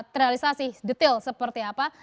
terrealisasi detail seperti apa